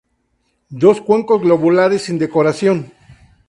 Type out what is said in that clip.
Dos cuencos globulares sin decoración.